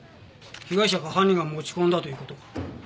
被害者か犯人が持ち込んだという事か？